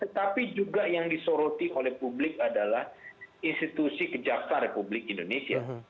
tetapi juga yang disoroti oleh publik adalah institusi kejaksaan republik indonesia